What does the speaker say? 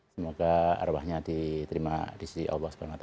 semoga arwahnya diterima di sisi allah swt